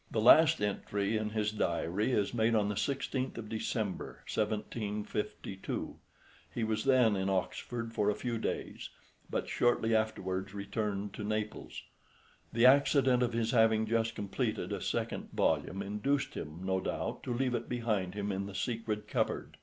The last entry in his diary is made on the 16th of December, 1752. He was then in Oxford for a few days, but shortly afterwards returned to Naples. The accident of his having just completed a second volume, induced him, no doubt, to leave it behind him in the secret cupboard.